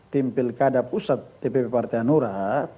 timpil kada pusat dpp partai hanura